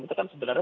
itu kan sebenarnya